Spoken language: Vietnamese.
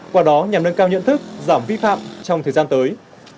qua đó nhằm nâng cao nhận thức giảm vi phạm trong thời gian tới